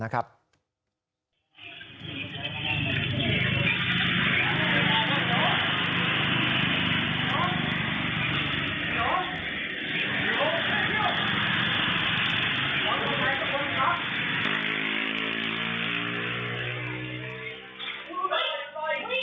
กล้องจรดีน้องสามารถไปกับพวกเธอ